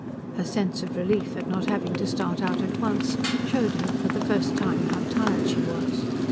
Her sense of relief at not having to start out at once showed her for the first time how tired she was.